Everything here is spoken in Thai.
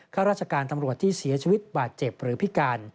ข้าราชการตำรวจที่เสียชีวิตบาดเจ็บหรือพิการ